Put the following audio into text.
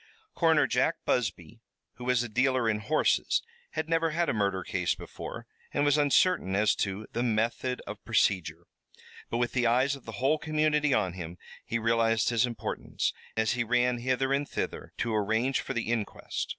Coroner Jack Busby, who was a dealer in horses, had never had a murder case before, and was uncertain as to the method of procedure. But with the eyes of the whole community on him he realized his importance, as he ran hither and thither, to arrange for the inquest.